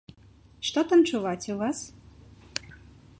Што там чуваць у вас?